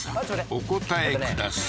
お答えください